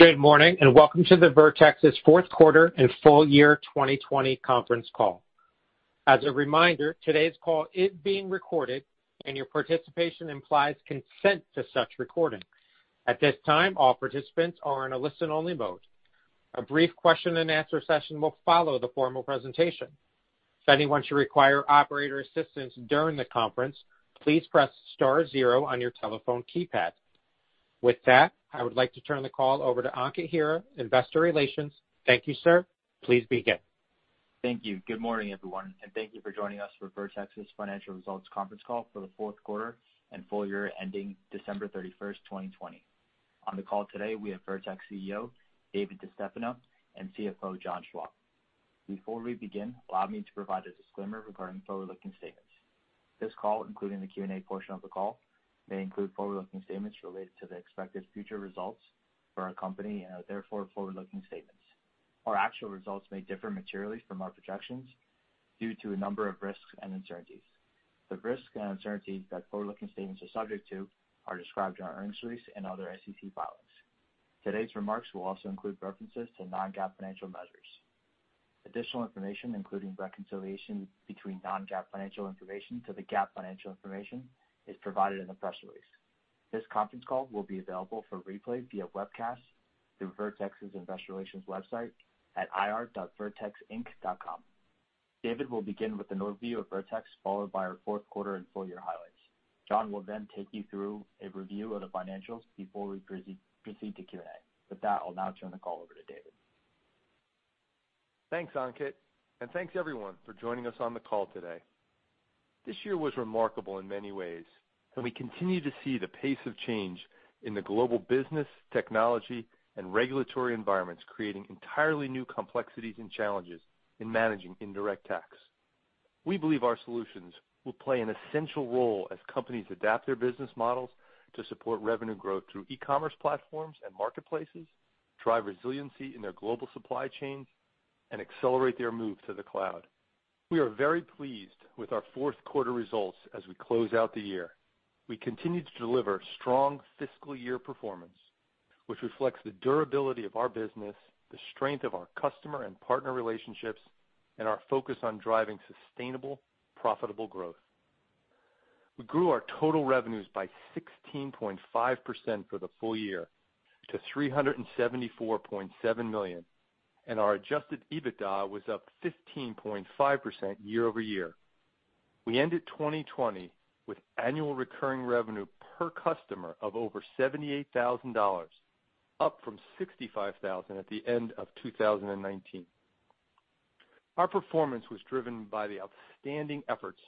Good morning, welcome to Vertex's fourth quarter and full year 2020 conference call. As a reminder, today's call is being recorded, and your participation implies consent to such recording. At this time, all participants are in a listen-only mode. A brief question-and-answer session will follow the formal presentation. If anyone should require operator assistance during the conference, please press star zero on your telephone keypad. With that, I would like to turn the call over to Ankit Hira, Investor Relations. Thank you, sir. Please begin. Thank you. Good morning, everyone, and thank you for joining us for Vertex's financial results conference call for the fourth quarter and full year ending December 31st, 2020. On the call today, we have Vertex CEO, David DeStefano, and CFO, John Schwab. Before we begin, allow me to provide a disclaimer regarding forward-looking statements. This call, including the Q&A portion of the call, may include forward-looking statements related to the expected future results for our company and are therefore forward-looking statements. Our actual results may differ materially from our projections due to a number of risks and uncertainties. The risks and uncertainties that forward-looking statements are subject to are described in our earnings release and other SEC filings. Today's remarks will also include references to non-GAAP financial measures. Additional information, including reconciliation between non-GAAP financial information to the GAAP financial information, is provided in the press release. This conference call will be available for replay via webcast through Vertex's Investor Relations website at ir.vertexinc.com. David will begin with an overview of Vertex, followed by our fourth quarter and full-year highlights. John will take you through a review of the financials before we proceed to Q&A. With that, I'll now turn the call over to David. Thanks, Ankit, and thanks everyone for joining us on the call today. This year was remarkable in many ways, and we continue to see the pace of change in the global business, technology, and regulatory environments creating entirely new complexities and challenges in managing indirect tax. We believe our solutions will play an essential role as companies adapt their business models to support revenue growth through e-commerce platforms and marketplaces, drive resiliency in their global supply chains, and accelerate their move to the cloud. We are very pleased with our fourth quarter results as we close out the year. We continue to deliver strong fiscal year performance, which reflects the durability of our business, the strength of our customer and partner relationships, and our focus on driving sustainable, profitable growth. We grew our total revenues by 16.5% for the full year to $374.7 million. Our adjusted EBITDA was up 15.5% year-over-year. We ended 2020 with annual recurring revenue per customer of over $78,000, up from $65,000 at the end of 2019. Our performance was driven by the outstanding efforts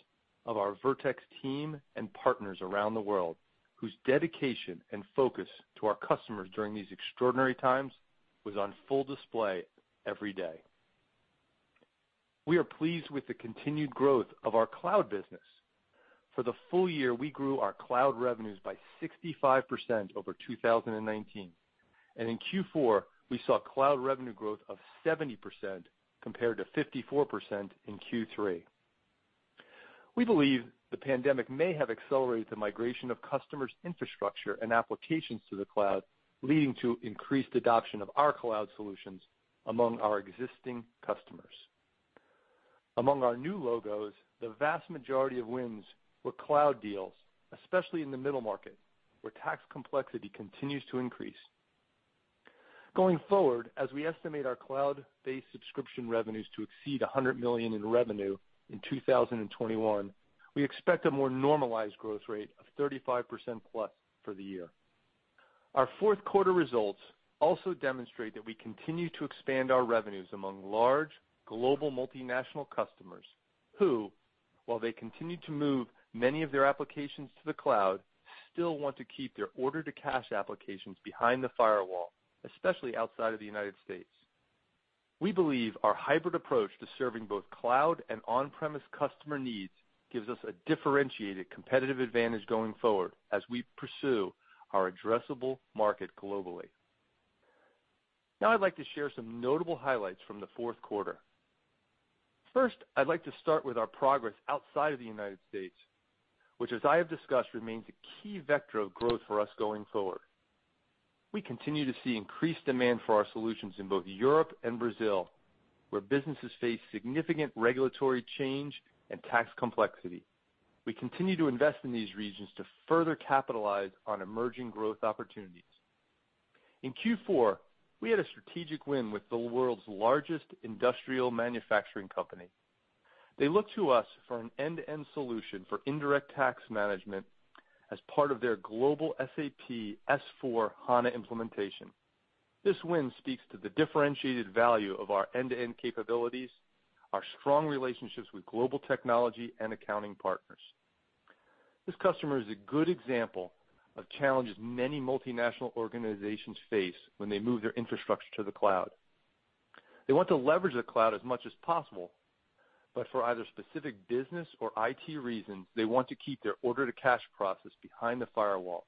of our Vertex team and partners around the world, whose dedication and focus to our customers during these extraordinary times was on full display every day. We are pleased with the continued growth of our cloud business. For the full year, we grew our cloud revenues by 65% over 2019. In Q4, we saw cloud revenue growth of 70% compared to 54% in Q3. We believe the pandemic may have accelerated the migration of customers' infrastructure and applications to the cloud, leading to increased adoption of our cloud solutions among our existing customers. Among our new logos, the vast majority of wins were cloud deals, especially in the middle market, where tax complexity continues to increase. Going forward, as we estimate our cloud-based subscription revenues to exceed $100 million in revenue in 2021, we expect a more normalized growth rate of 35%+ for the year. Our fourth quarter results also demonstrate that we continue to expand our revenues among large, global multinational customers who, while they continue to move many of their applications to the cloud, still want to keep their order-to-cash applications behind the firewall, especially outside of the United States. We believe our hybrid approach to serving both cloud and on-premise customer needs gives us a differentiated competitive advantage going forward as we pursue our addressable market globally. Now, I'd like to share some notable highlights from the fourth quarter. First, I'd like to start with our progress outside of the United States, which as I have discussed, remains a key vector of growth for us going forward. We continue to see increased demand for our solutions in both Europe and Brazil, where businesses face significant regulatory change and tax complexity. We continue to invest in these regions to further capitalize on emerging growth opportunities. In Q4, we had a strategic win with the world's largest industrial manufacturing company. They look to us for an end-to-end solution for indirect tax management as part of their global SAP S/4HANA implementation. This win speaks to the differentiated value of our end-to-end capabilities, our strong relationships with global technology, and accounting partners. This customer is a good example of challenges many multinational organizations face when they move their infrastructure to the cloud. They want to leverage the cloud as much as possible, but for either specific business or IT reasons, they want to keep their order-to-cash process behind the firewall.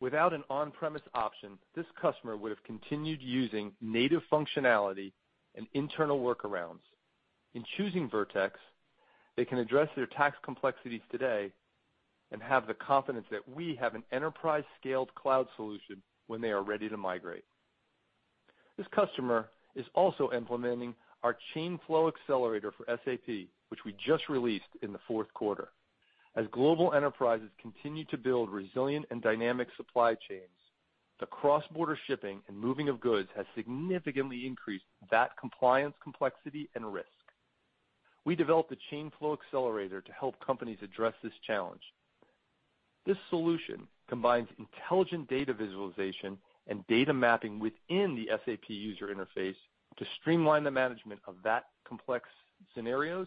Without an on-premise option, this customer would have continued using native functionality and internal workarounds. In choosing Vertex, they can address their tax complexities today and have the confidence that we have an enterprise-scaled cloud solution when they are ready to migrate. This customer is also implementing our Chain Flow Accelerator for SAP, which we just released in the fourth quarter. As global enterprises continue to build resilient and dynamic supply chains, the cross-border shipping and moving of goods has significantly increased VAT compliance, complexity, and risk. We developed the Chain Flow Accelerator to help companies address this challenge. This solution combines intelligent data visualization and data mapping within the SAP user interface to streamline the management of VAT complex scenarios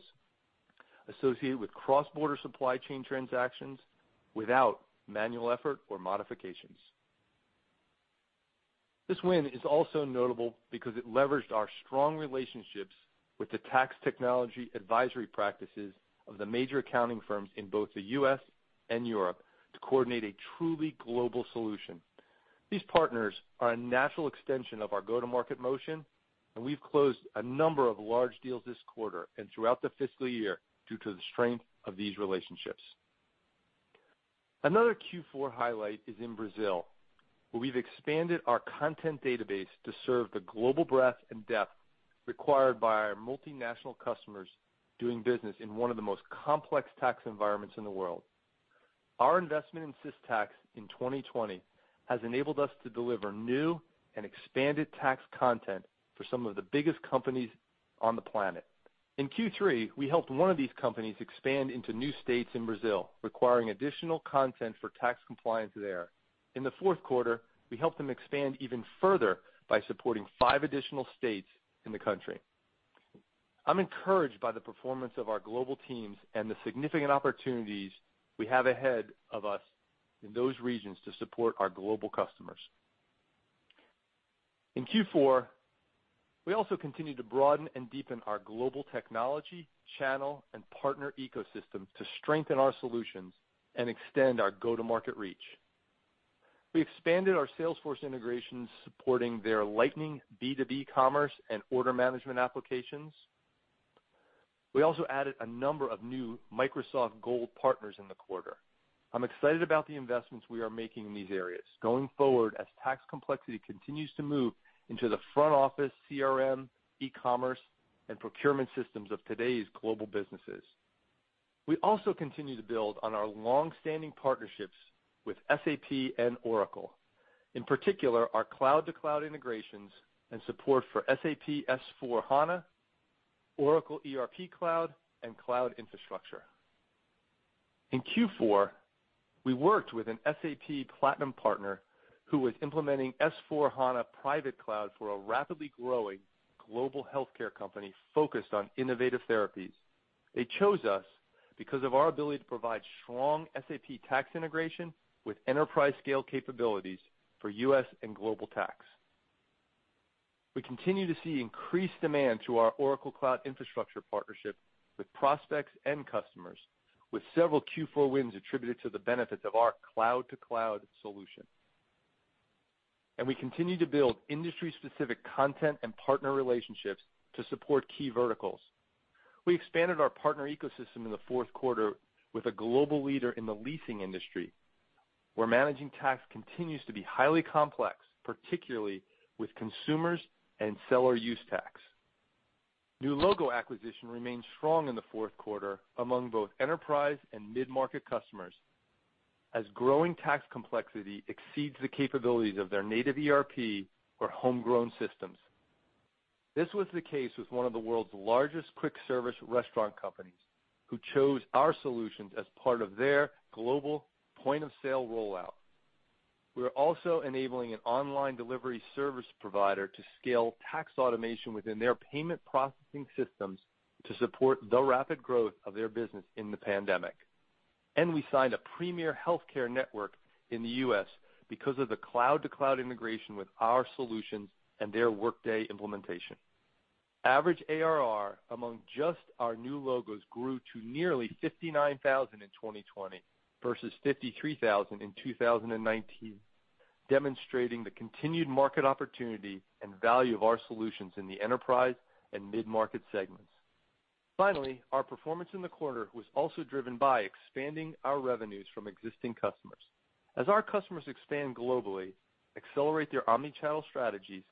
associated with cross-border supply chain transactions without manual effort or modifications. This win is also notable because it leveraged our strong relationships with the tax technology advisory practices of the major accounting firms in both the U.S. and Europe to coordinate a truly global solution. These partners are a natural extension of our go-to-market motion, and we've closed a number of large deals this quarter and throughout the fiscal year due to the strength of these relationships. Another Q4 highlight is in Brazil, where we've expanded our content database to serve the global breadth and depth required by our multinational customers doing business in one of the most complex tax environments in the world. Our investment in Systax in 2020 has enabled us to deliver new and expanded tax content for some of the biggest companies on the planet. In Q3, we helped one of these companies expand into new states in Brazil, requiring additional content for tax compliance there. In the fourth quarter, we helped them expand even further by supporting five additional states in the country. I'm encouraged by the performance of our global teams and the significant opportunities we have ahead of us in those regions to support our global customers. In Q4, we also continued to broaden and deepen our global technology, channel, and partner ecosystem to strengthen our solutions and extend our go-to-market reach. We expanded our Salesforce integrations, supporting their Lightning B2B Commerce and order management applications. We also added a number of new Microsoft Gold partners in the quarter. I'm excited about the investments we are making in these areas going forward as tax complexity continues to move into the front office CRM, e-commerce, and procurement systems of today's global businesses. We also continue to build on our long-standing partnerships with SAP and Oracle, in particular, our cloud-to-cloud integrations and support for SAP S/4HANA, Oracle ERP Cloud, and Cloud Infrastructure. In Q4, we worked with an SAP Platinum partner who was implementing S/4HANA private cloud for a rapidly growing global healthcare company focused on innovative therapies. They chose us because of our ability to provide strong SAP tax integration with enterprise-scale capabilities for U.S. and global tax. We continue to see increased demand through our Oracle Cloud Infrastructure partnership with prospects and customers, with several Q4 wins attributed to the benefits of our cloud-to-cloud solution. We continue to build industry-specific content and partner relationships to support key verticals. We expanded our partner ecosystem in the fourth quarter with a global leader in the leasing industry, where managing tax continues to be highly complex, particularly with consumers and seller use tax. New logo acquisition remained strong in the fourth quarter among both enterprise and mid-market customers, as growing tax complexity exceeds the capabilities of their native ERP or homegrown systems. This was the case with one of the world's largest quick-service restaurant companies, who chose our solutions as part of their global point-of-sale rollout. We are also enabling an online delivery service provider to scale tax automation within their payment processing systems to support the rapid growth of their business in the pandemic. We signed a premier healthcare network in the U.S. because of the cloud-to-cloud integration with our solutions and their Workday implementation. Average ARR among just our new logos grew to nearly $59,000 in 2020 versus $53,000 in 2019, demonstrating the continued market opportunity and value of our solutions in the enterprise and mid-market segments. Finally, our performance in the quarter was also driven by expanding our revenues from existing customers. As our customers expand globally, accelerate their omnichannel strategies,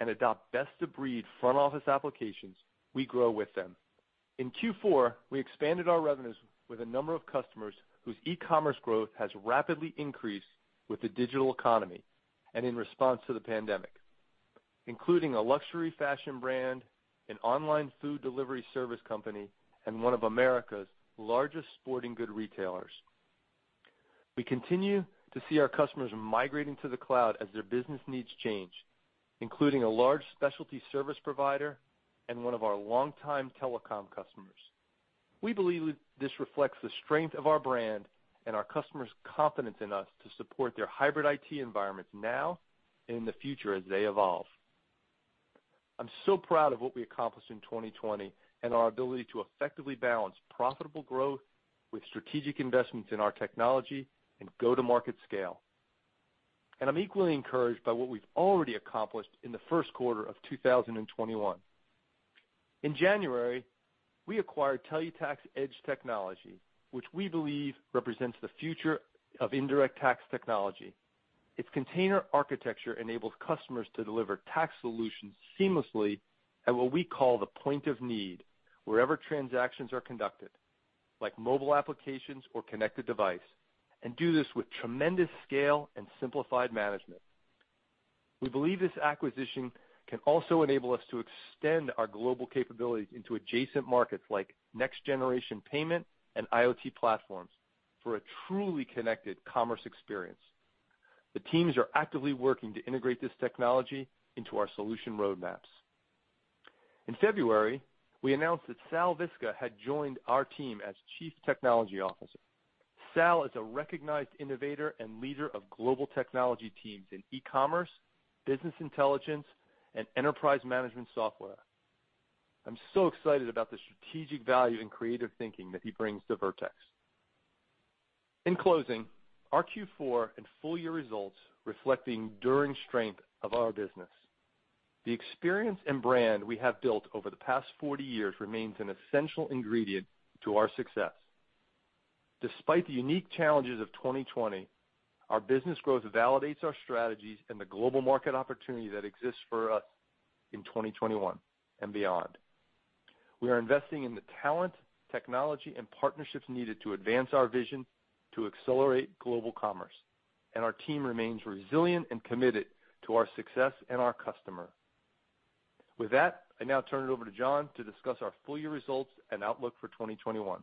and adopt best-of-breed front-office applications, we grow with them. In Q4, we expanded our revenues with a number of customers whose e-commerce growth has rapidly increased with the digital economy and in response to the pandemic, including a luxury fashion brand, an online food delivery service company, and one of America's largest sporting good retailers. We continue to see our customers migrating to the cloud as their business needs change, including a large specialty service provider and one of our longtime telecom customers. We believe this reflects the strength of our brand and our customers' confidence in us to support their hybrid IT environments now and in the future as they evolve. I'm so proud of what we accomplished in 2020 and our ability to effectively balance profitable growth with strategic investments in our technology and go-to-market scale. I'm equally encouraged by what we've already accomplished in the first quarter of 2021. In January, we acquired Tellutax Edge Technology, which we believe represents the future of indirect tax technology. Its container architecture enables customers to deliver tax solutions seamlessly at what we call the point of need, wherever transactions are conducted, like mobile applications or connected device, and do this with tremendous scale and simplified management. We believe this acquisition can also enable us to extend our global capabilities into adjacent markets like next-generation payment and IoT platforms for a truly connected commerce experience. The teams are actively working to integrate this technology into our solution roadmaps. In February, we announced that Sal Visca had joined our team as chief technology officer. Sal is a recognized innovator and leader of global technology teams in e-commerce, business intelligence, and enterprise management software. I'm so excited about the strategic value and creative thinking that he brings to Vertex. In closing, our Q4 and full-year results reflect the enduring strength of our business. The experience and brand we have built over the past 40 years remains an essential ingredient to our success. Despite the unique challenges of 2020, our business growth validates our strategies and the global market opportunity that exists for us in 2021 and beyond. We are investing in the talent, technology, and partnerships needed to advance our vision to accelerate global commerce, and our team remains resilient and committed to our success and our customer. With that, I now turn it over to John to discuss our full-year results and outlook for 2021.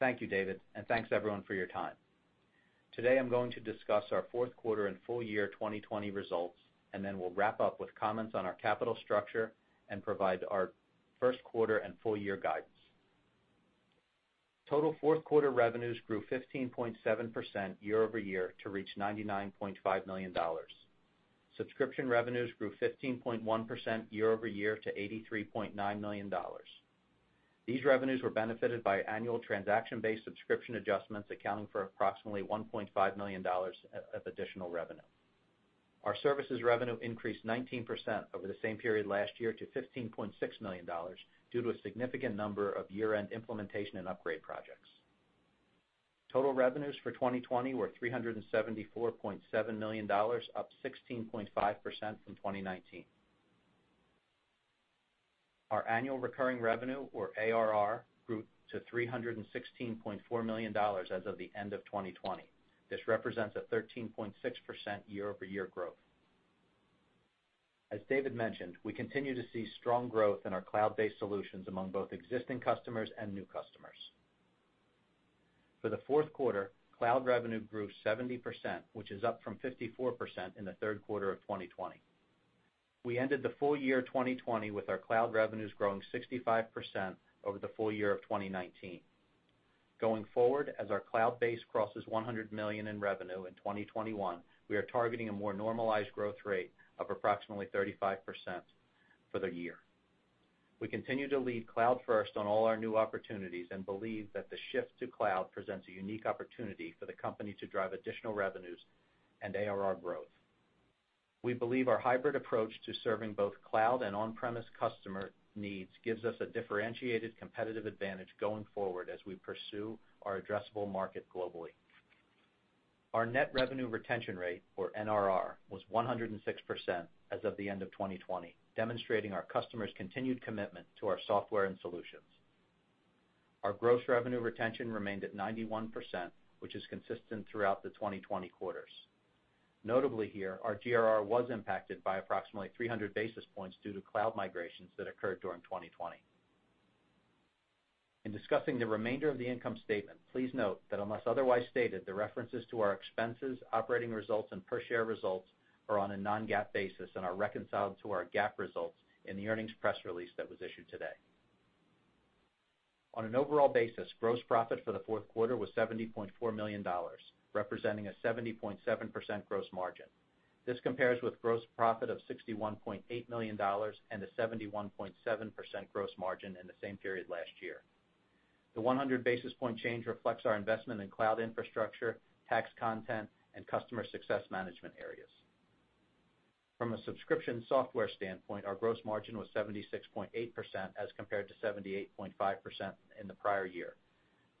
Thank you, David, and thanks everyone for your time. Today, I'm going to discuss our fourth quarter and full year 2020 results, and then we'll wrap up with comments on our capital structure and provide our first quarter and full year guidance. Total fourth quarter revenues grew 15.7% year-over-year to reach $99.5 million. Subscription revenues grew 15.1% year-over-year to $83.9 million. These revenues were benefited by annual transaction-based subscription adjustments, accounting for approximately $1.5 million of additional revenue. Our services revenue increased 19% over the same period last year to $15.6 million due to a significant number of year-end implementation and upgrade projects. Total revenues for 2020 were $374.7 million, up 16.5% from 2019. Our annual recurring revenue or ARR grew to $316.4 million as of the end of 2020. This represents a 13.6% year-over-year growth. As David mentioned, we continue to see strong growth in our cloud-based solutions among both existing customers and new customers. For the fourth quarter, cloud revenue grew 70%, which is up from 54% in the third quarter of 2020. We ended the full year 2020 with our cloud revenues growing 65% over the full year of 2019. Going forward, as our cloud base crosses $100 million in revenue in 2021, we are targeting a more normalized growth rate of approximately 35% for the year. We continue to lead cloud first on all our new opportunities and believe that the shift to cloud presents a unique opportunity for the company to drive additional revenues and ARR growth. We believe our hybrid approach to serving both cloud and on-premise customer needs gives us a differentiated competitive advantage going forward as we pursue our addressable market globally. Our net revenue retention rate or NRR was 106% as of the end of 2020, demonstrating our customers' continued commitment to our software and solutions. Our gross revenue retention remained at 91%, which is consistent throughout the 2020 quarters. Notably here, our GRR was impacted by approximately 300 basis points due to cloud migrations that occurred during 2020. In discussing the remainder of the income statement, please note that unless otherwise stated, the references to our expenses, operating results, and per share results are on a non-GAAP basis and are reconciled to our GAAP results in the earnings press release that was issued today. On an overall basis, gross profit for the fourth quarter was $70.4 million, representing a 70.7% gross margin. This compares with gross profit of $61.8 million and a 71.7% gross margin in the same period last year. The 100 basis point change reflects our investment in cloud infrastructure, tax content, and customer success management areas. From a subscription software standpoint, our gross margin was 76.8% as compared to 78.5% in the prior year,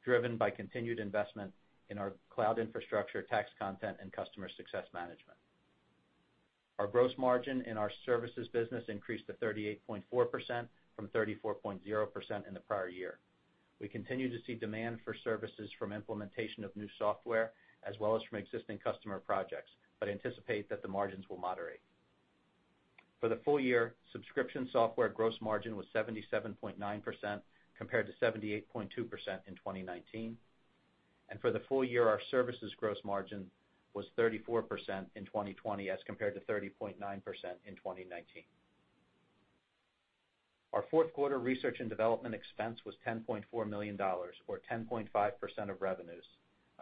driven by continued investment in our cloud infrastructure, tax content, and customer success management. Our gross margin in our services business increased to 38.4% from 34.0% in the prior year. We continue to see demand for services from implementation of new software as well as from existing customer projects but anticipate that the margins will moderate. For the full year, subscription software gross margin was 77.9% compared to 78.2% in 2019. For the full year, our services gross margin was 34% in 2020 as compared to 30.9% in 2019. Our fourth quarter research and development expense was $10.4 million or 10.5% of revenues,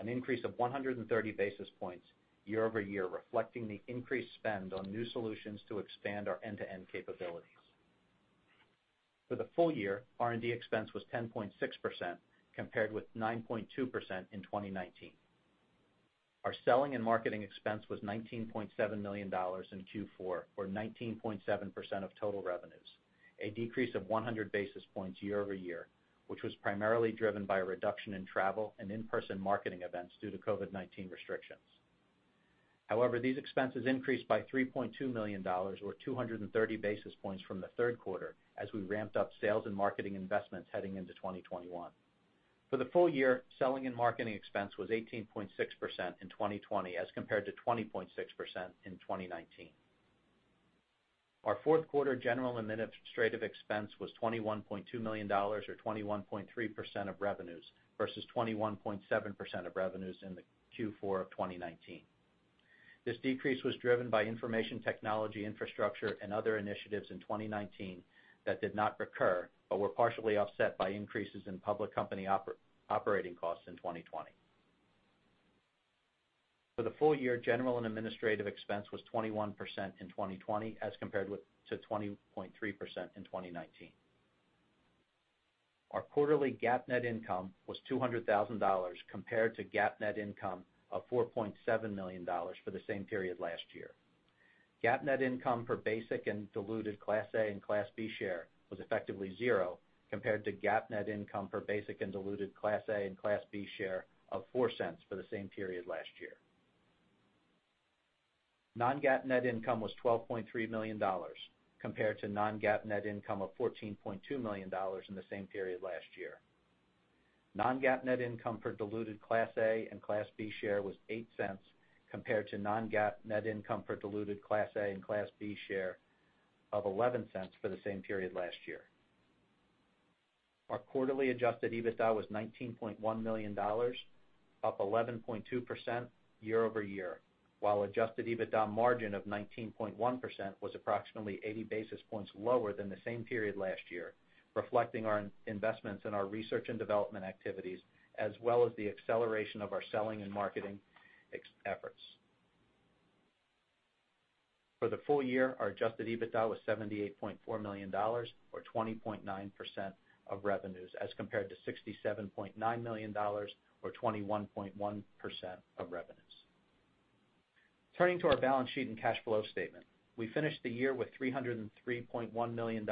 an increase of 130 basis points year-over-year, reflecting the increased spend on new solutions to expand our end-to-end capabilities. For the full year, R&D expense was 10.6%, compared with 9.2% in 2019. Our selling and marketing expense was $19.7 million in Q4, or 19.7% of total revenues, a decrease of 100 basis points year-over-year, which was primarily driven by a reduction in travel and in-person marketing events due to COVID-19 restrictions. However, these expenses increased by $3.2 million, or 230 basis points from the third quarter as we ramped up sales and marketing investments heading into 2021. For the full year, selling and marketing expense was 18.6% in 2020 as compared to 20.6% in 2019. Our fourth quarter general administrative expense was $21.2 million or 21.3% of revenues versus 21.7% of revenues in the Q4 of 2019. This decrease was driven by information technology infrastructure and other initiatives in 2019 that did not recur but were partially offset by increases in public company operating costs in 2020. For the full year, general and administrative expense was 21% in 2020 as compared to 20.3% in 2019. Our quarterly GAAP net income was $200,000 compared to GAAP net income of $4.7 million for the same period last year. GAAP net income per basic and diluted Class A and Class B share was effectively zero, compared to GAAP net income per basic and diluted Class A and Class B share of $0.04 for the same period last year. Non-GAAP net income was $12.3 million, compared to non-GAAP net income of $14.2 million in the same period last year. Non-GAAP net income per diluted Class A and Class B share was $0.08, compared to non-GAAP net income per diluted Class A and Class B share of $0.11 for the same period last year. Our quarterly adjusted EBITDA was $19.1 million, up 11.2% year-over-year, while adjusted EBITDA margin of 19.1% was approximately 80 basis points lower than the same period last year, reflecting our investments in our research and development activities, as well as the acceleration of our selling and marketing efforts. For the full year, our adjusted EBITDA was $78.4 million, or 20.9% of revenues, as compared to $67.9 million, or 21.1% of revenues. Turning to our balance sheet and cash flow statement. We finished the year with $303.1 million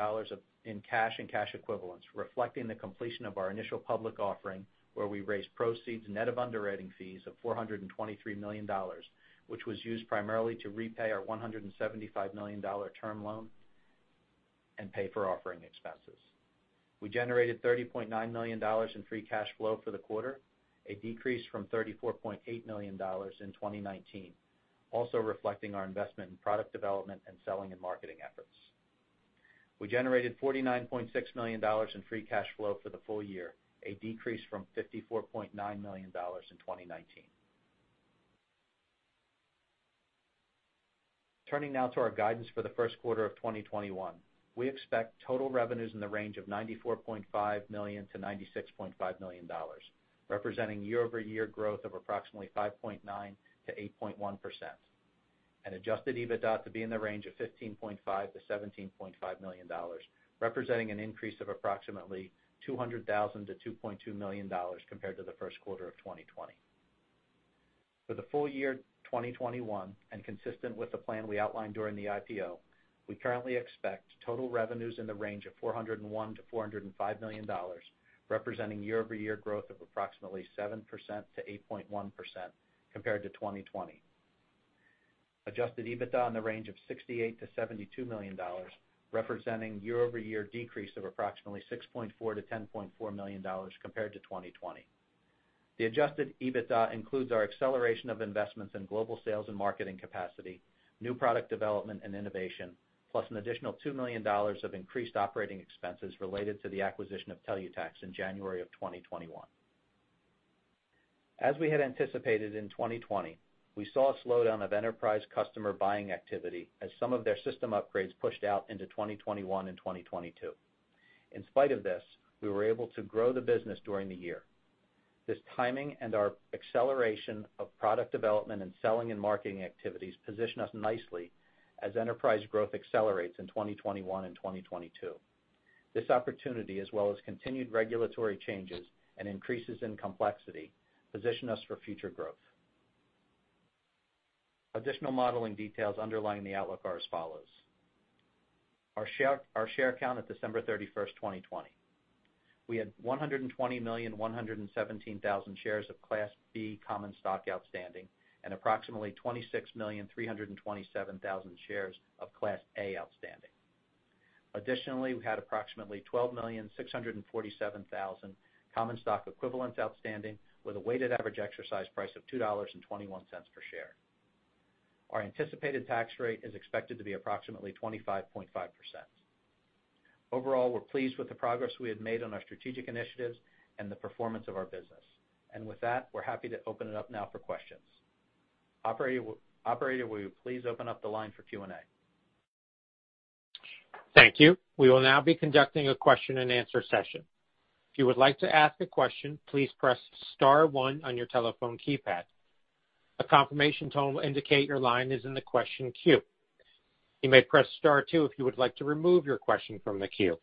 in cash and cash equivalents, reflecting the completion of our initial public offering, where we raised proceeds net of underwriting fees of $423 million, which was used primarily to repay our $175 million term loan and pay for offering expenses. We generated $30.9 million in free cash flow for the quarter, a decrease from $34.8 million in 2019, also reflecting our investment in product development and selling and marketing efforts. We generated $49.6 million in free cash flow for the full year, a decrease from $54.9 million in 2019. Turning now to our guidance for the first quarter of 2021. We expect total revenues in the range of $94.5 million-$96.5 million, representing year-over-year growth of approximately 5.9%-8.1%. Adjusted EBITDA to be in the range of $15.5 million-$17.5 million, representing an increase of approximately $200,000-$2.2 million compared to the first quarter of 2020. For the full year 2021, and consistent with the plan we outlined during the IPO, we currently expect total revenues in the range of $401 million-$405 million, representing year-over-year growth of approximately 7%-8.1% compared to 2020. Adjusted EBITDA in the range of $68 million-$72 million, representing year-over-year decrease of approximately $6.4 million-$10.4 million compared to 2020. The adjusted EBITDA includes our acceleration of investments in global sales and marketing capacity, new product development and innovation, plus an additional $2 million of increased operating expenses related to the acquisition of Tellutax in January of 2021. As we had anticipated in 2020, we saw a slowdown of enterprise customer buying activity as some of their system upgrades pushed out into 2021 and 2022. In spite of this, we were able to grow the business during the year. This timing and our acceleration of product development and selling and marketing activities position us nicely as enterprise growth accelerates in 2021 and 2022. This opportunity, as well as continued regulatory changes and increases in complexity, position us for future growth. Additional modeling details underlying the outlook are as follows. Our share count at December 31st, 2020. We had 120,117,000 shares of Class B common stock outstanding and approximately 26,327,000 shares of Class A outstanding. Additionally, we had approximately 12,647,000 common stock equivalents outstanding with a weighted average exercise price of $2.21 per share. Our anticipated tax rate is expected to be approximately 25.5%. Overall, we're pleased with the progress we have made on our strategic initiatives and the performance of our business. With that, we're happy to open it up now for questions. Operator, will you please open up the line for Q&A? Thank you. We will now be conducting a question-and-answer session. If you would like to ask a question, please press star one on your telephone keypad. A confirmation tone will indicate your line is in the question queue. You may press start two if you would like to remove your question from the queue.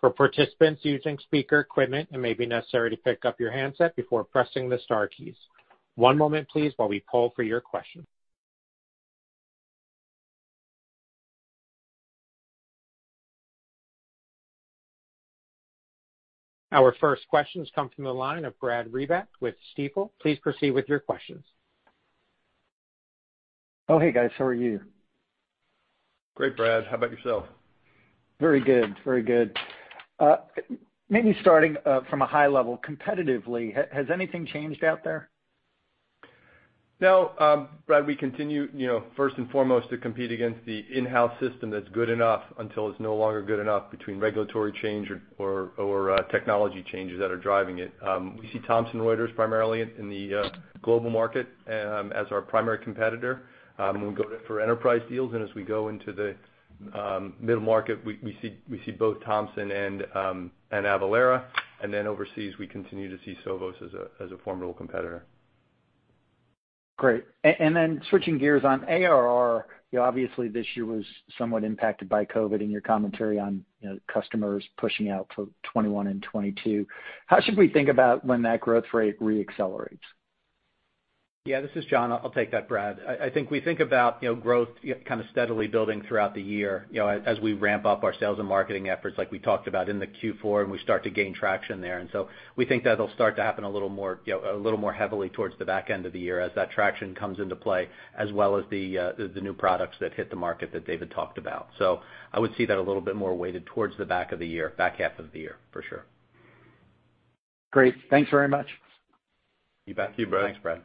For participants using speaker equipment, you may be necessary to pick up your headset before pressing the star keys. One moment please while we pull for your question. Our first questions come from the line of Brad Reback with Stifel. Please proceed with your questions. Oh, hey, guys. How are you? Great, Brad. How about yourself? Very good, very good. Maybe starting from a high level competitively, has anything changed out there? No, Brad, we continue, you know, first and foremost, to compete against the in-house system that's good enough until it's no longer good enough between regulatory change or technology changes that are driving it. We see Thomson Reuters primarily in the global market as our primary competitor. When we go for enterprise deals and as we go into the middle market, we see both Thomson and Avalara. Overseas, we continue to see Sovos as a formidable competitor. Great. Then switching gears on ARR, obviously this year was somewhat impacted by COVID in your commentary on customers pushing out to 2021 and 2022. How should we think about when that growth rate reaccelerates? Yeah, this is John. I'll take that, Brad. I think we think about growth kind of steadily building throughout the year, as we ramp up our sales and marketing efforts like we talked about in the Q4, and we start to gain traction there. We think that'll start to happen a little more heavily towards the back end of the year as that traction comes into play, as well as the new products that hit the market that David talked about. I would see that a little bit more weighted towards the back of the year, back half of the year, for sure. Great. Thanks very much. You bet. Thanks, Brad. Thank you, Brad.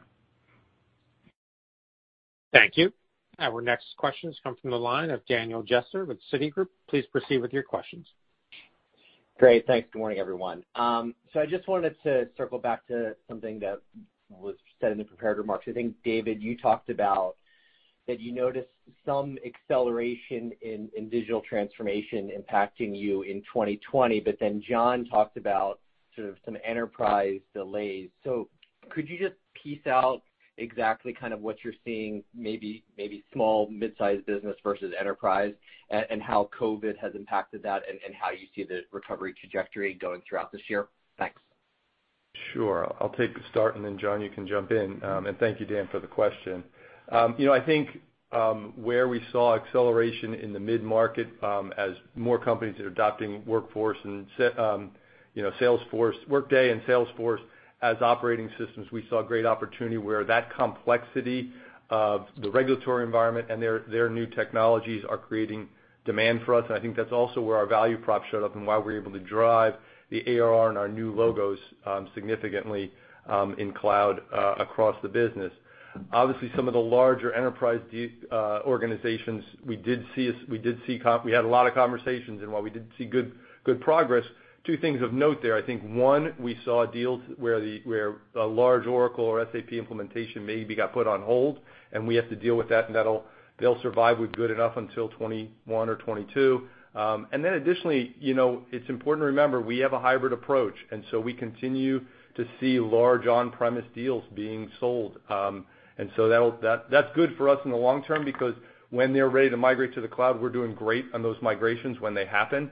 Thank you. Our next questions come from the line of Daniel Jester with Citigroup. Please proceed with your questions. Great. Thanks. Good morning, everyone. I just wanted to circle back to something that was said in the prepared remarks. I think, David, you talked about that you noticed some acceleration in digital transformation impacting you in 2020, but then John talked about sort of some enterprise delays. Could you just piece out exactly kind of what you're seeing, maybe small mid-size business versus enterprise, and how COVID has impacted that, and how you see the recovery trajectory going throughout this year? Thanks. Sure. I'll take the start, then John, you can jump in. Thank you, Dan, for the question. I think, where we saw acceleration in the mid-market, as more companies are adopting Workday and Salesforce as operating systems, we saw great opportunity where that complexity of the regulatory environment and their new technologies are creating demand for us. I think that's also where our value prop showed up and why we're able to drive the ARR and our new logos significantly in cloud across the business. Obviously, some of the larger enterprise organizations, we had a lot of conversations, and while we did see good progress, two things of note there. I think one, we saw deals where a large Oracle or SAP implementation maybe got put on hold, and we have to deal with that, and they'll survive with good enough until 2021 or 2022. Additionally, you know, it's important to remember, we have a hybrid approach, we continue to see large on-premise deals being sold. That's good for us in the long term, because when they're ready to migrate to the cloud, we're doing great on those migrations when they happen.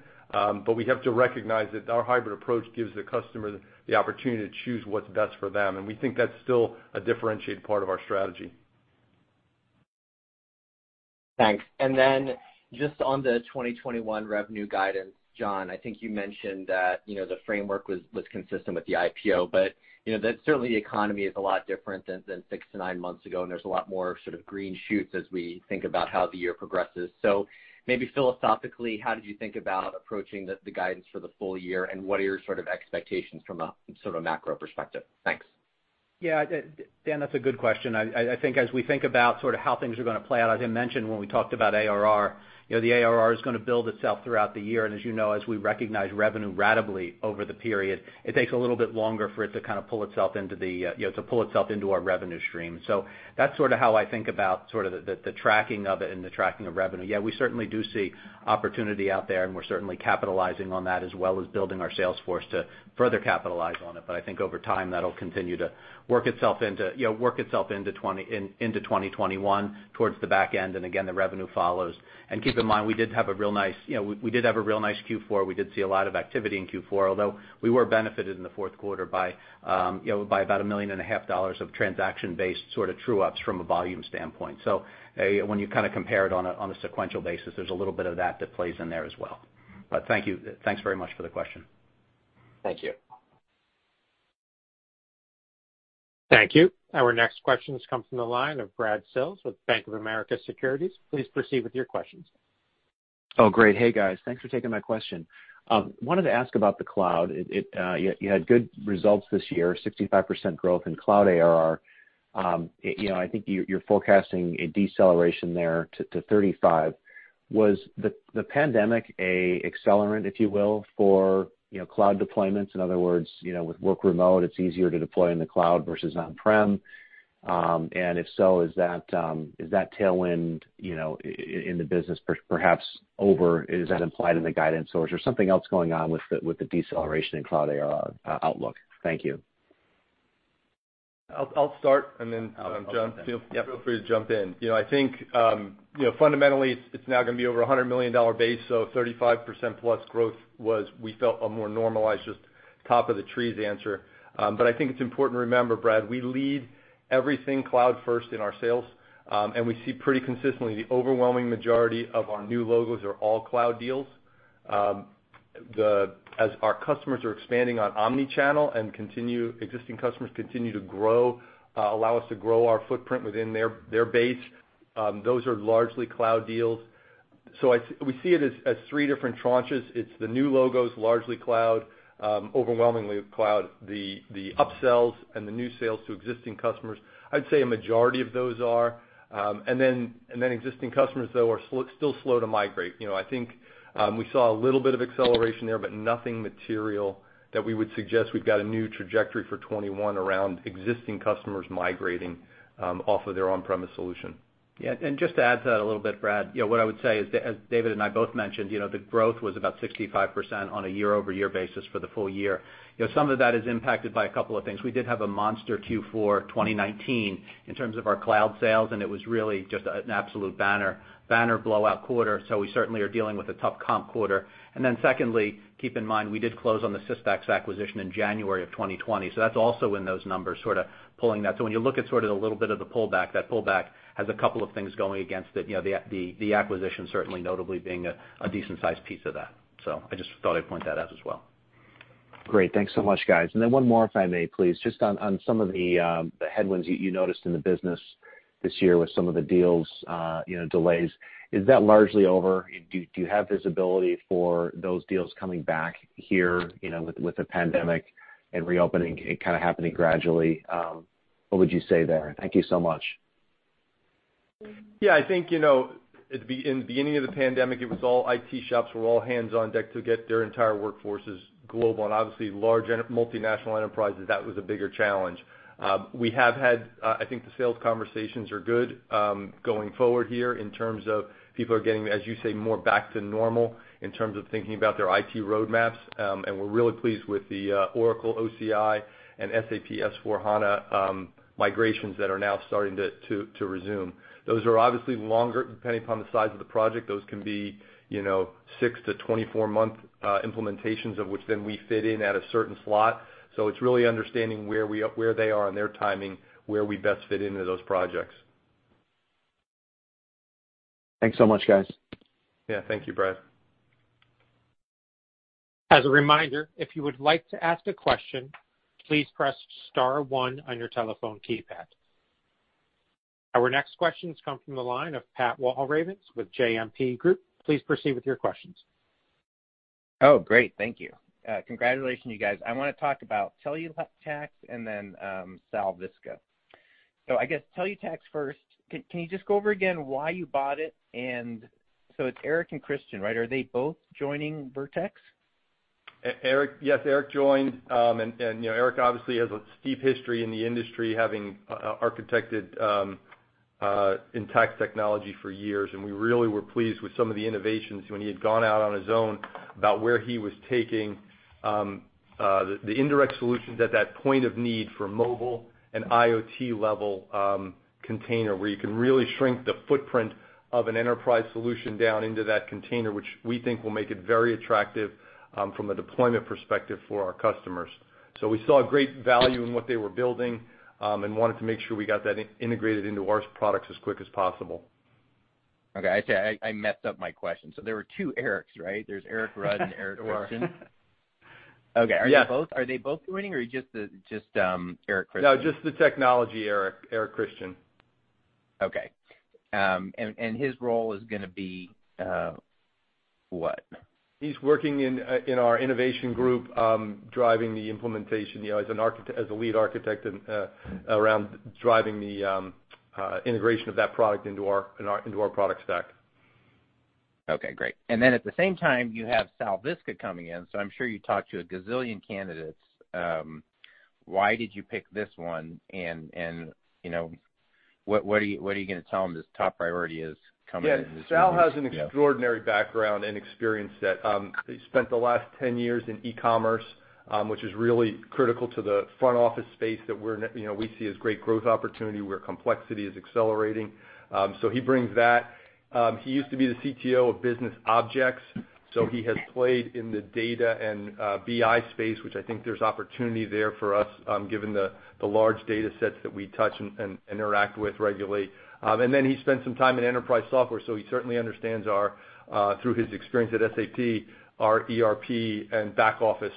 We have to recognize that our hybrid approach gives the customer the opportunity to choose what's best for them. We think that's still a differentiated part of our strategy. Thanks. And then, just on the 2021 revenue guidance, John, I think you mentioned that the framework was consistent with the IPO, but certainly the economy is a lot different than six to nine months ago, and there's a lot more sort of green shoots as we think about how the year progresses. Maybe philosophically, how did you think about approaching the guidance for the full year, and what are your sort of expectations from a sort of macro perspective? Thanks. Yeah, Dan, that's a good question. I think as we think about sort of how things are going to play out, as I mentioned when we talked about ARR, the ARR is going to build itself throughout the year. As you know, as we recognize revenue ratably over the period, it takes a little bit longer for it to kind of pull itself into our revenue stream. That's sort of how I think about sort of the tracking of it and the tracking of revenue. Yeah, we certainly do see opportunity out there, and we're certainly capitalizing on that as well as building our sales force to further capitalize on it. I think over time, that'll continue to work itself into 2021 towards the back end, and again, the revenue follows. Keep in mind, we did have a real nice, you know, we did have a real nice Q4. We did see a lot of activity in Q4, although we were benefited in the fourth quarter by about a million and a half dollars of transaction-based sort of true ups from a volume standpoint. When you kind of compare it on a sequential basis, there's a little bit of that that plays in there as well. Thank you. Thanks very much for the question. Thank you. Thank you. Our next questions come from the line of Brad Sills with Bank of America Securities. Please proceed with your questions. Oh, great. Hey, guys. Thanks for taking my question. Wanted to ask about the cloud. You had good results this year, 65% growth in cloud ARR. You know, I think you're forecasting a deceleration there to 35%. Was the pandemic an accelerant, if you will, for cloud deployments? In other words, with work remote, it's easier to deploy in the cloud versus on-prem. If so, is that tailwind in the business perhaps over? Is that implied in the guidance, or is there something else going on with the deceleration in cloud ARR outlook? Thank you. I'll start, and then John. I'll jump in. Yeah, feel free to jump in. I think, fundamentally, it's now going to be over $100 million base. 35%+ growth was, we felt, a more normalized, just top-of-the-trees answer. I think it's important to remember, Brad, we lead everything cloud-first in our sales, and we see pretty consistently the overwhelming majority of our new logos are all cloud deals. As our customers are expanding on omnichannel and existing customers continue to grow, allow us to grow our footprint within their base, those are largely cloud deals. We see it as three different tranches. It's the new logos, largely cloud, overwhelmingly cloud. The upsells and the new sales to existing customers, I'd say a majority of those are. Existing customers, though, are still slow to migrate. I think we saw a little bit of acceleration there, but nothing material that we would suggest we've got a new trajectory for 2021 around existing customers migrating off of their on-premise solution. Just to add to that a little bit, Brad, what I would say is, as David and I both mentioned, the growth was about 65% on a year-over-year basis for the full year. Some of that is impacted by a couple of things. We did have a monster Q4 2019 in terms of our cloud sales, and it was really just an absolute banner blowout quarter. We certainly are dealing with a tough comp quarter. Secondly, keep in mind, we did close on the Systax acquisition in January of 2020. That's also in those numbers sort of pulling that. When you look at sort of the little bit of the pullback, that pullback has a couple of things going against it, the acquisition certainly notably being a decent-sized piece of that. I just thought I'd point that out as well. Great. Thanks so much, guys. Then one more if I may, please. Just on some of the headwinds you noticed in the business this year with some of the deals delays. Is that largely over? Do you have visibility for those deals coming back here, you know, with the pandemic and reopening kind of happening gradually? What would you say there? Thank you so much. Yeah, I think, in the beginning of the pandemic, it was all IT shops were all hands on deck to get their entire workforces global. Obviously, large multinational enterprises, that was a bigger challenge. I think the sales conversations are good going forward here in terms of people are getting, as you say, more back to normal in terms of thinking about their IT roadmaps. We're really pleased with the Oracle OCI and SAP S/4HANA migrations that are now starting to resume. Those are obviously longer, depending upon the size of the project. Those can be, you know, 6-24-month implementations of which we fit in at a certain slot. It's really understanding where they are in their timing, where we best fit into those projects. Thanks so much, guys. Yeah. Thank you, Brad. As a reminder, if you would like to ask a question, please press star one on your telephone keypad. Our next question comes from the line of Pat Walravens with JMP Group. Please proceed with your questions. Oh, great. Thank you. Congratulations, you guys. I want to talk about Tellutax and then Sal Visca. I guess Tellutax first, can you just go over again why you bought it? It's Eric and Chris, right? Are they both joining Vertex? Eric. Yes, Eric joined. Eric obviously has a steep history in the industry, having architected Intacct technology for years, and we really were pleased with some of the innovations when he had gone out on his own about where he was taking the indirect solutions at that point of need for mobile and IoT-level container, where you can really shrink the footprint of an enterprise solution down into that container, which we think will make it very attractive from a deployment perspective for our customers. We saw great value in what they were building, and wanted to make sure we got that integrated into our products as quick as possible. Okay. I messed up my question. There were two Erics, right? There's Eric Rudd and Eric Christian. There were. Okay. Yeah. Are they both joining, or just Eric Christian? No, just the technology Eric. Eric Christian. Okay. His role is going to be what? He's working in our innovation group, driving the implementation as a lead architect around driving the integration of that product into our product stack. Okay, great. At the same time, you have Sal Visca coming in, so I'm sure you talked to a gazillion candidates. Why did you pick this one, and you know, what are you going to tell him his top priority is coming into this? Yeah. Sal has an extraordinary background and experience that he spent the last 10 years in e-commerce, which is really critical to the front office space that we see as great growth opportunity, where complexity is accelerating. He brings that. He used to be the CTO of Business Objects, so he has played in the data and BI space, which I think there's opportunity there for us, given the large data sets that we touch and interact with regularly. He spent some time in enterprise software, so he certainly understands our, through his experience at SAP, our ERP and back-office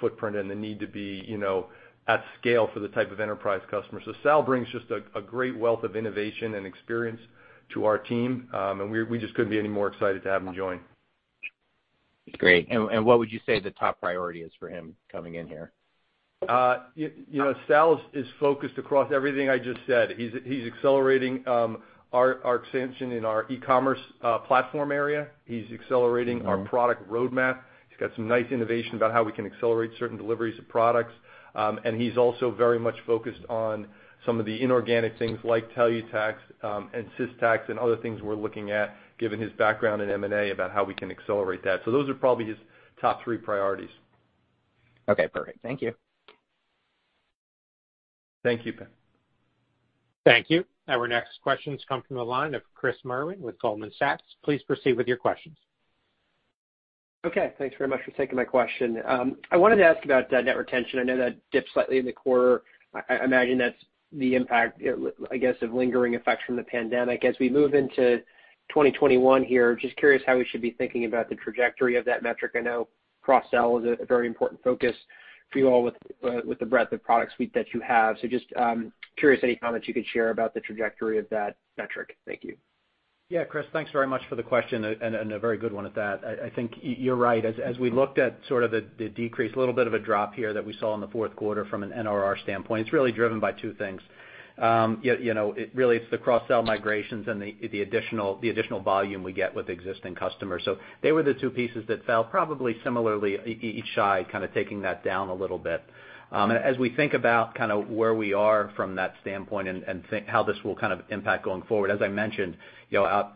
footprint, and the need to be at scale for the type of enterprise customer. Sal brings just a great wealth of innovation and experience to our team, and we just couldn't be any more excited to have him join. Great. What would you say the top priority is for him coming in here? Sal is focused across everything I just said. He's accelerating our expansion in our e-commerce platform area. He's accelerating our product roadmap. He's got some nice innovation about how we can accelerate certain deliveries of products. He's also very much focused on some of the inorganic things like Tellutax and Systax and other things we're looking at, given his background in M&A, about how we can accelerate that. Those are probably his top three priorities. Okay, perfect. Thank you. Thank you, Pat. Thank you. Our next questions come from the line of Chris Merwin with Goldman Sachs. Please proceed with your questions. Okay. Thanks very much for taking my question. I wanted to ask about net retention. I know that dipped slightly in the quarter. I imagine that's the impact, I guess, of lingering effects from the pandemic. As we move into 2021 here, just curious how we should be thinking about the trajectory of that metric. I know cross-sell is a very important focus for you all with the breadth of product suite that you have. Just curious any comment you could share about the trajectory of that metric. Thank you. Chris, thanks very much for the question, a very good one at that. I think you're right. As we looked at sort of the decrease, a little bit of a drop here that we saw in the fourth quarter from an NRR standpoint, it's really driven by two things. You know, really, it's the cross-sell migrations and the additional volume we get with existing customers. They were the two pieces that fell probably similarly, each side kind of taking that down a little bit. As we think about where we are from that standpoint and think how this will impact going forward, as I mentioned,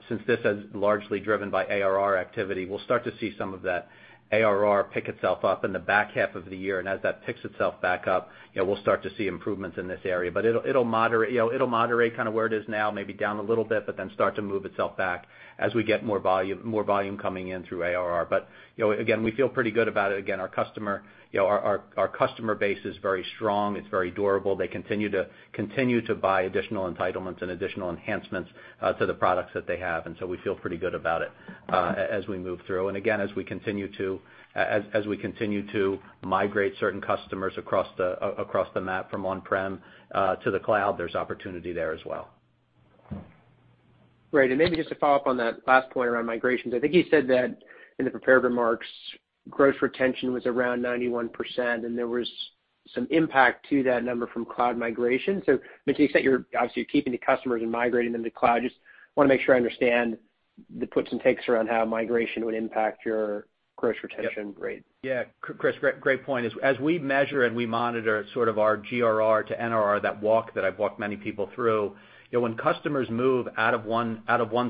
since this is largely driven by ARR activity, we'll start to see some of that ARR pick itself up in the back half of the year. As that picks itself back up, we'll start to see improvements in this area. It'll moderate, you know, it'll moderate where it is now, maybe down a little bit, but then start to move itself back as we get more volume coming in through ARR. Again, we feel pretty good about it. Again, our customer base is very strong. It's very durable. They continue to buy additional entitlements and additional enhancements to the products that they have. We feel pretty good about it as we move through. Again, as we continue to migrate certain customers across the map from on-prem to the cloud, there's opportunity there as well. Great. Maybe just to follow up on that last point around migrations, I think you said that in the prepared remarks, gross retention was around 91%, and there was some impact to that number from cloud migration. To the extent you're obviously keeping the customers and migrating them to cloud, just want to make sure I understand the puts and takes around how migration would impact your gross retention rate. Yeah, Chris, great point. As we measure and we monitor sort of our GRR to NRR, that walk that I've walked many people through, when customers move out of one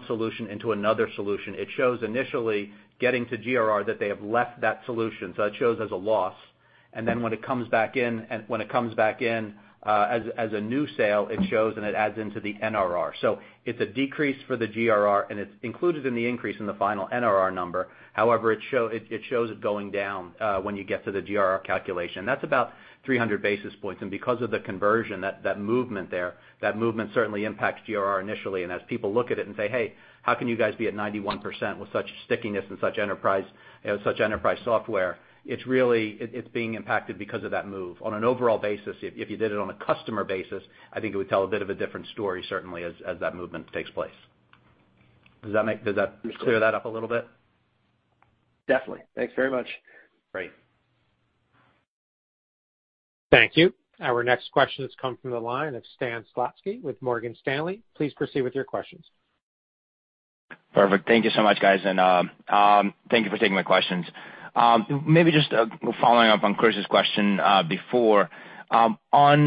solution into another solution, it shows initially getting to GRR that they have left that solution, so that shows as a loss. Then when it comes back in as a new sale, it shows and it adds into the NRR. It's a decrease for the GRR, and it's included in the increase in the final NRR number. However, it shows it going down when you get to the GRR calculation. That's about 300 basis points, and because of the conversion, that movement there, that movement certainly impacts GRR initially. As people look at it and say, "Hey, how can you guys be at 91% with such stickiness and such enterprise software?" It's being impacted because of that move. On an overall basis, if you did it on a customer basis, I think it would tell a bit of a different story, certainly, as that movement takes place. Does that make, does that clear that up a little bit? Definitely. Thanks very much. Great. Thank you. Our next question comes from the line of Stan Zlotsky with Morgan Stanley. Please proceed with your questions. Perfect. Thank you so much, guys. Thank you for taking my questions. Maybe just following up on Chris's question before, on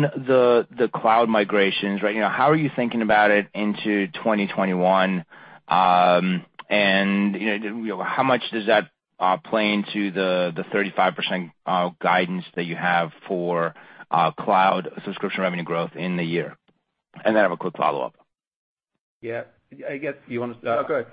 the cloud migrations right now, how are you thinking about it into 2021? How much does that play into the 35% guidance that you have for cloud subscription revenue growth in the year? I have a quick follow-up. Yeah. I guess, you want to start? No, go ahead.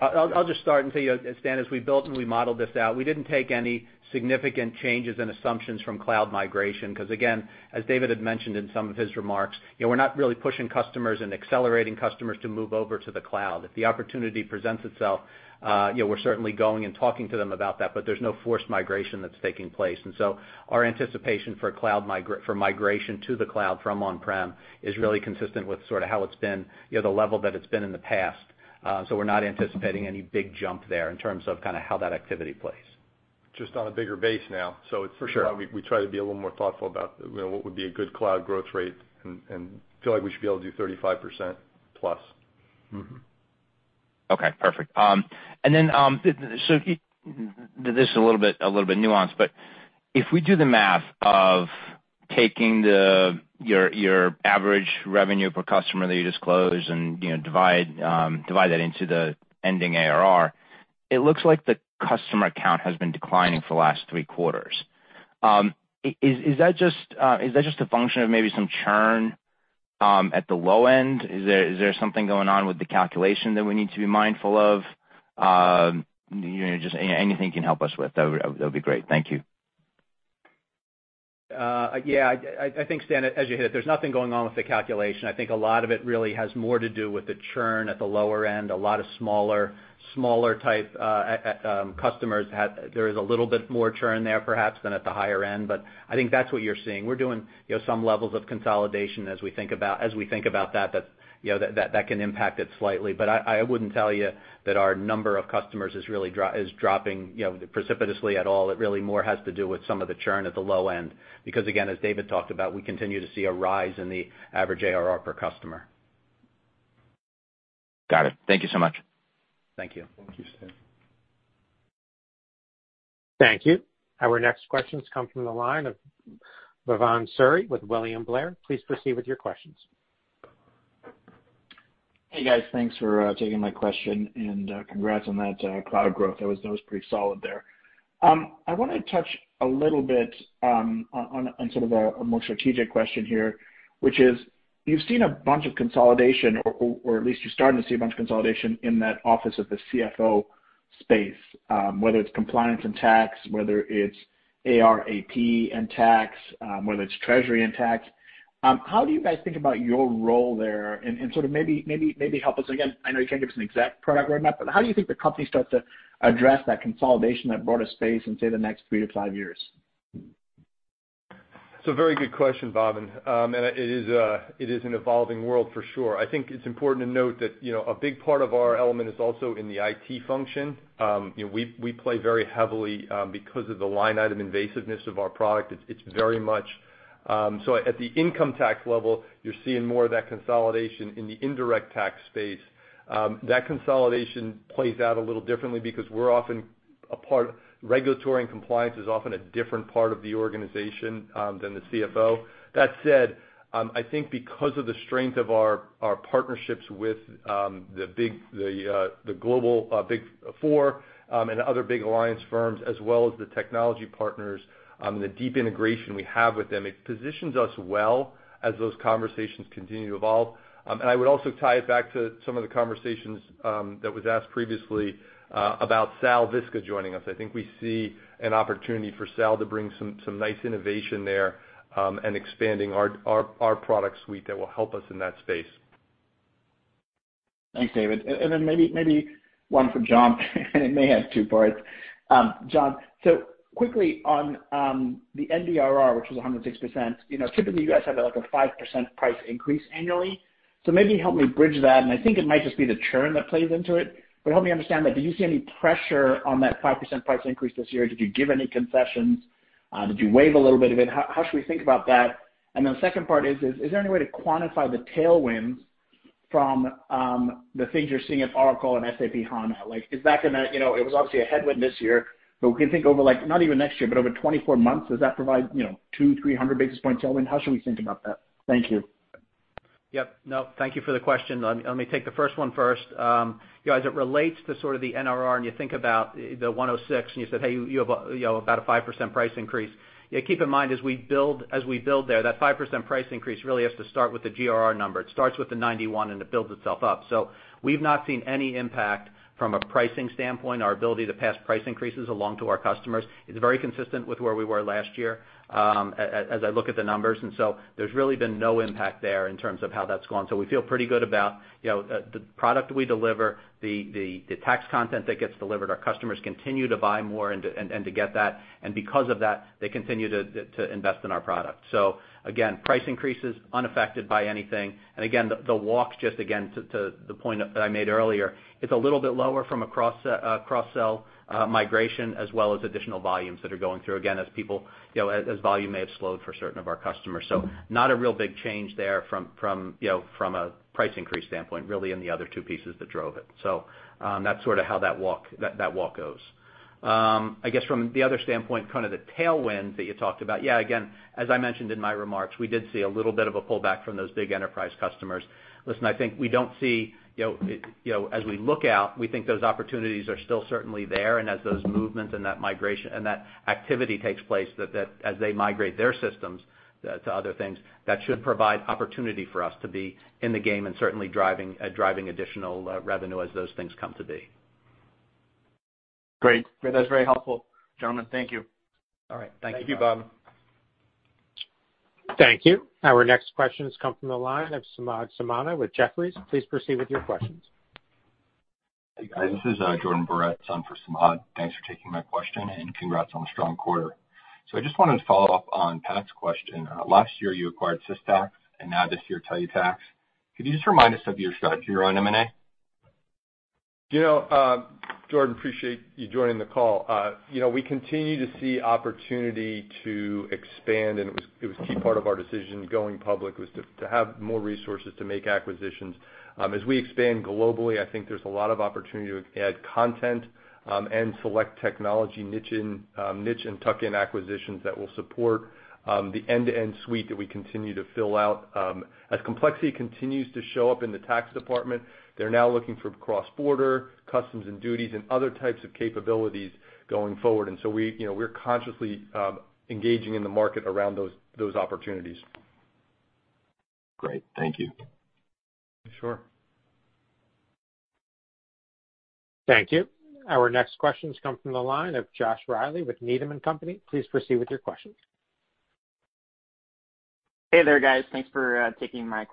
I'll just start and tell you, Stan, as we built and we modeled this out, we didn't take any significant changes in assumptions from cloud migration because, again, as David had mentioned in some of his remarks, we're not really pushing customers and accelerating customers to move over to the cloud. If the opportunity presents itself, we're certainly going and talking to them about that, but there's no forced migration that's taking place. Our anticipation for migration to the cloud from on-prem is really consistent with how it's been, the level that it's been in the past. We're not anticipating any big jump there in terms of how that activity plays. Just on a bigger base now. For sure. So, we thought that we try to be a little more thoughtful about what would be a good cloud growth rate, and feel like we should be able to do 35%+. Okay, perfect. This is a little bit nuanced, but if we do the math of taking your average revenue per customer that you disclosed and divide that into the ending ARR, it looks like the customer count has been declining for the last three quarters. Is that just a function of maybe some churn at the low end? Is there something going on with the calculation that we need to be mindful of? Just anything you can help us with, that would be great. Thank you. I think, Stan, as you heard, there's nothing going on with the calculation. I think a lot of it really has more to do with the churn at the lower end. A lot of smaller type customers, there is a little bit more churn there perhaps than at the higher end, but I think that's what you're seeing. We're doing some levels of consolidation as we think about that can impact it slightly. I wouldn't tell you that our number of customers is dropping precipitously at all. It really more has to do with some of the churn at the low end. Again, as David talked about, we continue to see a rise in the average ARR per customer. Got it. Thank you so much. Thank you. Thank you, Stan. Thank you. Our next question comes from the line of Bhavan Suri with William Blair. Please proceed with your questions. Hey, guys. Thanks for taking my question, and congrats on that cloud growth. That was pretty solid there. I want to touch a little bit on sort of a more strategic question here, which is, you've seen a bunch of consolidation, or at least you're starting to see a bunch of consolidation in that office of the CFO space, whether it's compliance and tax, whether it's AR, AP and tax, whether it's treasury and tax. How do you guys think about your role there and sort of maybe help us again, I know you can't give us an exact product roadmap, but how do you think the company starts to address that consolidation, that broader space in, say, the next three to five years? It's a very good question, Bhavan. It is an evolving world for sure. I think it's important to note that a big part of our element is also in the IT function. We play very heavily, because of the line item invasiveness of our product. It's very much. So, at the income tax level, you're seeing more of that consolidation in the indirect tax space. That consolidation plays out a little differently because regulatory and compliance is often a different part of the organization than the CFO. That said, I think because of the strength of our partnerships with the global Big Four, and other big alliance firms, as well as the technology partners, the deep integration we have with them, it positions us well as those conversations continue to evolve. I would also tie it back to some of the conversations that was asked previously, about Sal Visca joining us. I think we see an opportunity for Sal to bring some nice innovation there, and expanding our product suite that will help us in that space. Thanks, David. Then maybe one for John and it may have two parts. John, quickly on the NRR, which was 106%, typically you guys have a 5% price increase annually. Maybe help me bridge that, I think it might just be the churn that plays into it, help me understand that. Do you see any pressure on that 5% price increase this year? Did you give any concessions? Did you waive a little bit of it? How should we think about that? Second part is there any way to quantify the tailwinds from the things you're seeing at Oracle and SAP HANA? It was obviously a headwind this year, we can think over like not even next year, but over 24 months. Does that provide, you know, two, 300 basis point tailwind? How should we think about that? Thank you. Yep. No, thank you for the question. Let me take the first one first. As it relates to sort of the NRR, you think about the 106%, you said, hey, you have about a 5% price increase. Keep in mind, as we build there, that 5% price increase really has to start with the GRR number. It starts with the 91%, and it builds itself up. We've not seen any impact from a pricing standpoint. Our ability to pass price increases along to our customers is very consistent with where we were last year, as I look at the numbers. There's really been no impact there in terms of how that's going. We feel pretty good about the product we deliver, the tax content that gets delivered. Our customers continue to buy more and to get that, and because of that, they continue to invest in our product. Again, price increases unaffected by anything. Again, the walks, just again, to the point that I made earlier, it's a little bit lower from a cross-sell migration as well as additional volumes that are going through, again, as volume may have slowed for certain of our customers. Not a real big change there from a price increase standpoint, really in the other two pieces that drove it. That's sort of how that walk goes. I guess from the other standpoint, kind of the tailwind that you talked about, yeah, again, as I mentioned in my remarks, we did see a little bit of a pullback from those big enterprise customers. Listen, I think we don't see, as we look out, we think those opportunities are still certainly there, and as those movements and that migration and that activity takes place, as they migrate their systems to other things, that should provide opportunity for us to be in the game and certainly driving additional revenue as those things come to be. Great. That's very helpful. Gentlemen, thank you. All right. Thank you, Bhavan. Thank you, Bhavan. Thank you. Our next questions come from the line of Samad Samana with Jefferies. Please proceed with your questions. Hey, guys. This is Jordan Barett on for Samad. Thanks for taking my question and congrats on a strong quarter. I just wanted to follow up on Pat's question. Last year you acquired Systax, and now this year Tellutax. Could you just remind us of your strategy around M&A? Jordan, appreciate you joining the call. We continue to see opportunity to expand, and it was a key part of our decision going public was to have more resources to make acquisitions. As we expand globally, I think there's a lot of opportunity to add content, and select technology niche and tuck-in acquisitions that will support the end-to-end suite that we continue to fill out. As complexity continues to show up in the tax department, they're now looking for cross-border customs and duties and other types of capabilities going forward. We're consciously engaging in the market around those opportunities. Great. Thank you. Sure. Thank you. Our next questions come from the line of Josh Reilly with Needham & Company. Please proceed with your question. Hey there, guys. Thanks for taking my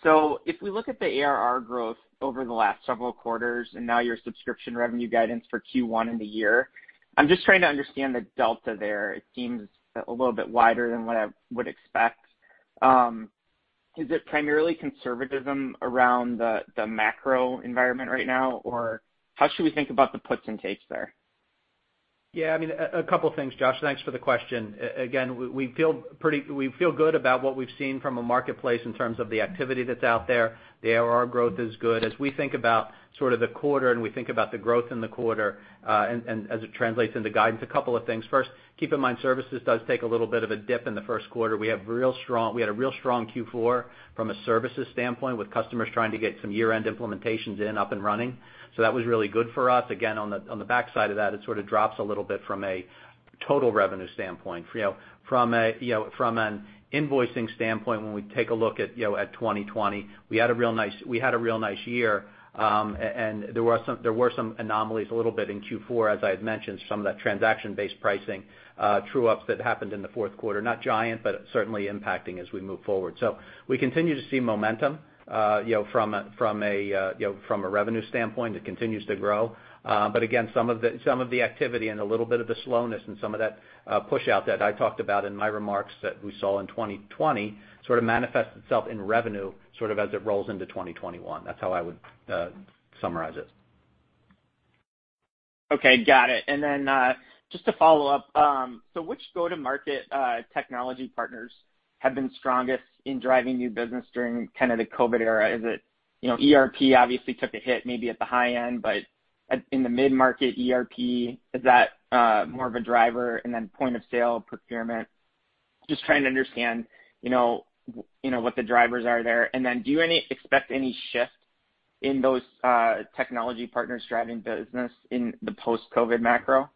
question. If we look at the ARR growth over the last several quarters and now your subscription revenue guidance for Q1 in the year, I'm just trying to understand the delta there. It seems a little bit wider than what I would expect. Is it primarily conservatism around the macro environment right now, or how should we think about the puts and takes there? Yeah, a couple of things, Josh. Thanks for the question. We feel good about what we've seen from a marketplace in terms of the activity that's out there. The ARR growth is good. As we think about the quarter, and we think about the growth in the quarter, and as it translates into guidance, a couple of things. First, keep in mind, services does take a little bit of a dip in the first quarter. We had a real strong Q4 from a services standpoint, with customers trying to get some year-end implementations in up and running. That was really good for us. Again, on the back side of that, it sort of drops a little bit from a total revenue standpoint. From an invoicing standpoint, when we take a look at 2020, we had a real nice year, and there were some anomalies, a little bit, in Q4, as I had mentioned, some of that transaction-based pricing true-ups that happened in the fourth quarter. Not giant, certainly impacting as we move forward. We continue to see momentum from a revenue standpoint. It continues to grow. Again, some of the activity, and a little bit of the slowness, and some of that push-out that I talked about in my remarks that we saw in 2020 sort of manifests itself in revenue as it rolls into 2021. That's how I would summarize it. Okay, got it. Just to follow up, which go-to-market technology partners have been strongest in driving new business during the COVID era? ERP obviously took a hit maybe at the high end, but in the mid-market ERP, is that more of a driver? Point-of-sale procurement. Just trying to understand what the drivers are there. Do you expect any shift in those technology partners driving business in the post-COVID macro?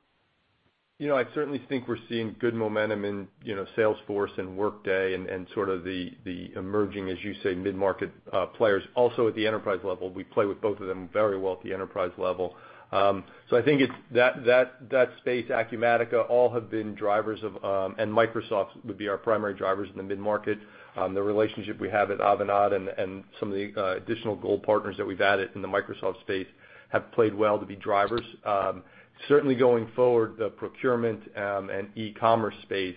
I certainly think we're seeing good momentum in Salesforce and Workday and sort of the emerging, as you say, mid-market players. Also at the enterprise level. We play with both of them very well at the enterprise level. I think that space, Acumatica, and Microsoft would be our primary drivers in the mid-market. The relationship we have at Avanade and some of the additional Gold partners that we've added in the Microsoft space have played well to be drivers. Certainly going forward, the procurement and e-commerce space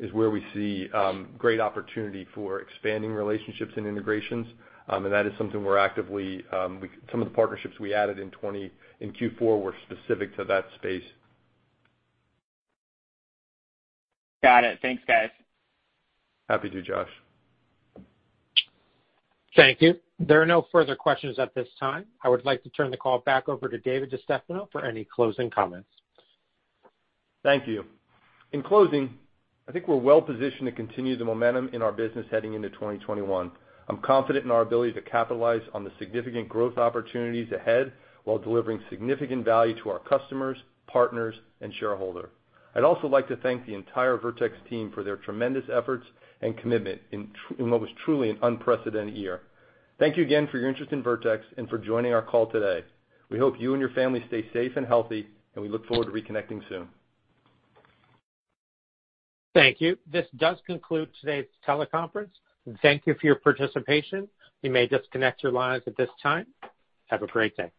is where we see great opportunity for expanding relationships and integrations. Some of the partnerships we added in Q4 were specific to that space. Got it. Thanks, guys. Happy to, Josh. Thank you. There are no further questions at this time. I would like to turn the call back over to David DeStefano for any closing comments. Thank you. In closing, I think we're well-positioned to continue the momentum in our business heading into 2021. I'm confident in our ability to capitalize on the significant growth opportunities ahead while delivering significant value to our customers, partners, and shareholder. I'd also like to thank the entire Vertex team for their tremendous efforts and commitment in what was truly an unprecedented year. Thank you again for your interest in Vertex and for joining our call today. We hope you and your family stay safe and healthy, and we look forward to reconnecting soon. Thank you. This does conclude today's teleconference, and thank you for your participation. You may disconnect your lines at this time. Have a great day.